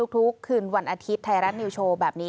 ทุกคืนวันอาทิตย์ไทยรัฐนิวโชว์แบบนี้